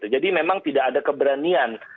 jadi memang tidak ada keberanian